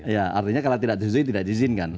ya artinya kalau tidak disetujui tidak diizinkan